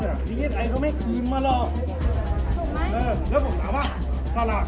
ตัวเนี้ยดีไอก็ไม่กินมาหรอกถูกไหมเออแล้วผมตอบว่าสลาก